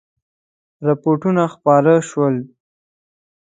رپوټونه خپاره شول.